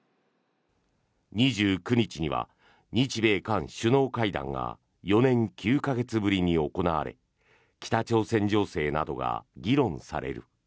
２９日には日米韓首脳会談が４年９か月ぶりに行われ北朝鮮情勢などが議論される。